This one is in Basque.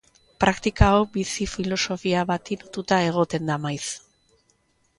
Praktika hau bizi-filosofia bati lotuta egoten da maiz.